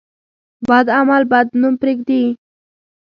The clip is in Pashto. بد عمل بد نوم پرېږدي.